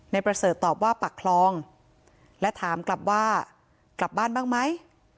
ประเสริฐตอบว่าปักคลองและถามกลับว่ากลับบ้านบ้างไหม